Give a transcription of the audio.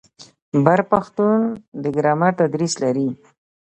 بر پښتون د ګرامر تدریس لري.